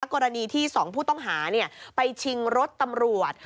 กรณีที่๒ผู้ต้องหาไปชิงรถตำรวจ